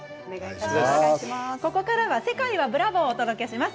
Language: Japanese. ここからは「世界はブラボー！」をお届けします。